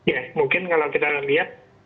ya mungkin kalau kita lihat